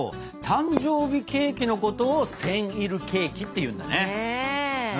誕生日ケーキのことをセンイルケーキっていうんだね！